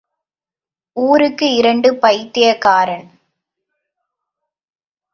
ஊருக்கு இரண்டு பைத்தியக்காரன்.